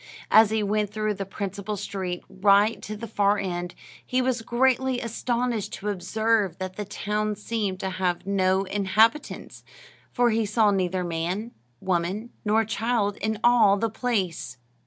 As he went through the principal street, right to the far end, he was greatly astonished to observe that the town seemed to have no inhabitants, for he saw neither man, woman, nor child in all the place.